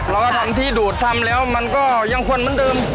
เราทำที่ดูดทำแล้วมันก็ยังควรเหมือนเดิม